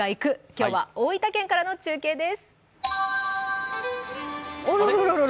今日は大分県からの中継です。